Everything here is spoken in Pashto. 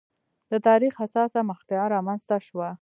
د تاریخ حساسه مقطعه رامنځته شوه.